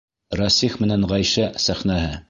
Рәсих менән Ғәйшә сәхнәһе!